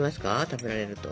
食べられると。